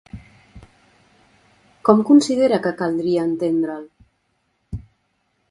Com considera que caldria entendre'l?